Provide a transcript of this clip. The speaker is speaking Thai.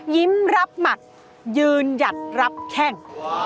ยิ้มรับหมัดยืนหยัดรับแข้ง